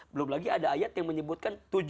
belum lagi ada ayat yang menyebutkan